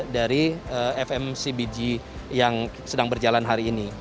dari fmcbg yang sedang berjalan hari ini